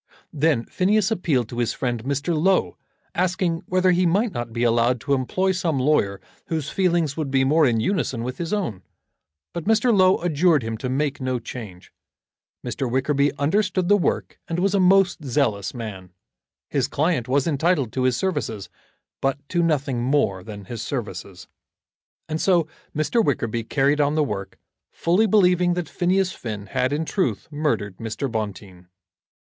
Then Phineas appealed to his friend Mr. Low, asking whether he might not be allowed to employ some lawyer whose feelings would be more in unison with his own. But Mr. Low adjured him to make no change. Mr. Wickerby understood the work and was a most zealous man. His client was entitled to his services, but to nothing more than his services. And so Mr. Wickerby carried on the work, fully believing that Phineas Finn had in truth murdered Mr. Bonteen.